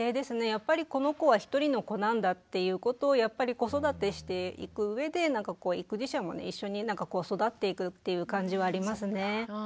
やっぱりこの子は一人の子なんだっていうことをやっぱり子育てしていくうえで育児者も一緒に育っていくっていう感じはありますね。